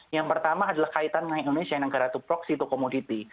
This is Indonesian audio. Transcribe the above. yang pertama adalah kaitan dengan indonesia negara to proxy to commodity